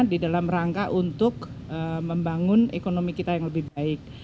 di dalam rangka untuk membangun ekonomi kita yang lebih baik